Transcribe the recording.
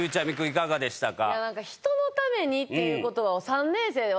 いかがでしたか？